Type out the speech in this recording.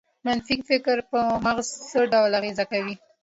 منفي فکر په مغز څه ډول اغېز کوي؟